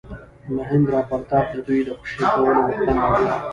مهیندراپراتاپ د دوی د خوشي کولو غوښتنه وکړه.